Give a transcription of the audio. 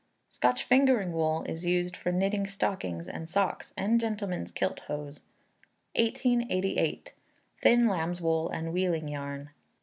Scotch fingering wool is used for knitting stockings and socks, and gentlemen's kilt hose. 1880. Thin Lambs' Wool and Wheeling Yarn.